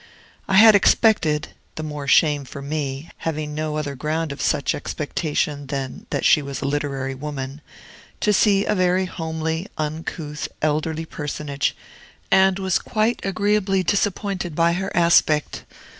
I had expected (the more shame for me, having no other ground of such expectation than that she was a literary woman) to see a very homely, uncouth, elderly personage, and was quite agreeably disappointed by her aspect.